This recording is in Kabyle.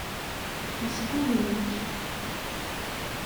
Yesgugem-ik.